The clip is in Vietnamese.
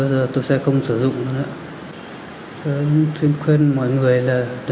ckeitwo rep com và đăng ký chương trình để góp ích